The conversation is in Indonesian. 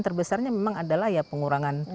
terbesarnya memang adalah pengurangan